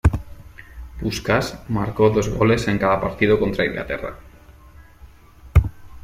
Puskás marcó dos goles en cada partido contra Inglaterra.